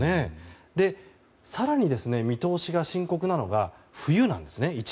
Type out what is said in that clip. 更に見通しが深刻なのが冬の１月です。